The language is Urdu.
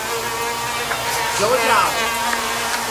سو جاؤ!